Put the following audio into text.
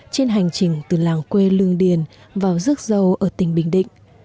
trên hành trình từ làng quê lương điền vào rước dâu ở tỉnh bình định